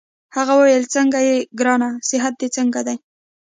هغه وویل: څنګه يې ګرانه؟ صحت دي څنګه دی؟